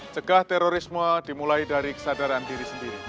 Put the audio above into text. cegah terorisme dimulai dari kesadaran diri sendiri